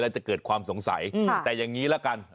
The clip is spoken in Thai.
แล้วจะเกิดความสงสัยแต่อย่างนี้ละกัน